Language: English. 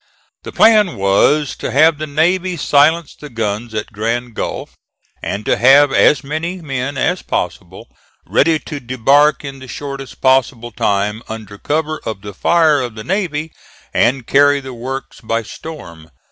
The plan was to have the navy silence the guns at Grand Gulf, and to have as many men as possible ready to debark in the shortest possible time under cover of the fire of the navy and carry the works by storm.